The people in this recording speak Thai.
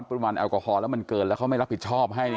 ปริมาณแอลกอฮอลแล้วมันเกินแล้วเขาไม่รับผิดชอบให้